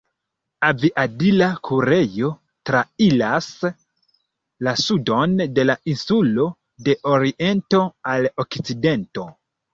Aviadila kurejo trairas la sudon de la insulo de oriento al okcidento.